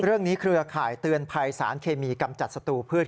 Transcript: เรื่องนี้คือขายเตือนภัยสารเคมีกำจัดสตูพืช